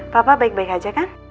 papa baik baik aja kan